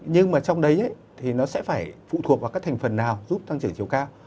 nhưng mà trong đấy thì nó sẽ phải phụ thuộc vào các thành phần nào giúp tăng trưởng chiều cao